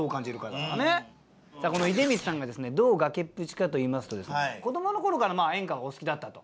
この出光さんがですねどう崖っぷちかといいますと子供の頃からまあ演歌がお好きだったと。